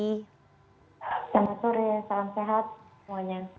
selamat sore salam sehat semuanya